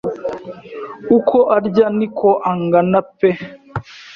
Uko arya ni ko angana pe